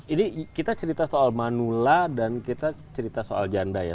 ini kita cerita soal manula dan kita cerita soal janda ya